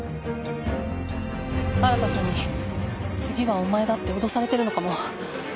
新さんに次はお前だって脅されてるのかも。